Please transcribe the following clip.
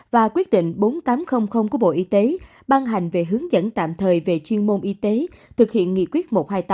và quyết định bốn nghìn tám trăm linh của bộ y tế ban hành về hướng dẫn tạm thời về chuyên môn y tế thực hiện nghị quyết một trăm hai mươi tám